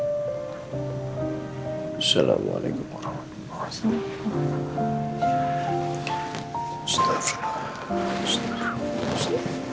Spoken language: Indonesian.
assalamualaikum warahmatullahi wabarakatuh